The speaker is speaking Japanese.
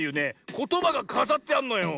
ことばがかざってあんのよ。